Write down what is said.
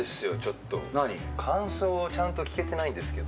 感想をちゃんと聞けてないんですけど。